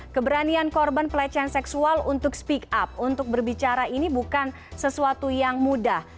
keberanian korban pelecehan seksual untuk speak up untuk berbicara ini bukan sesuatu yang mudah